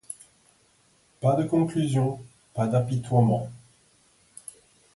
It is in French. Pas de conclusion, pas d'apitoiement.